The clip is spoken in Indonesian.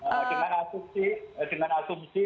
jangan asumsi jangan asumsi